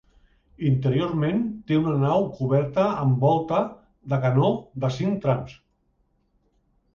Interiorment té una nau coberta amb volta de canó de cinc trams.